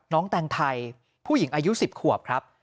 แตงไทยผู้หญิงอายุ๑๐ขวบครับ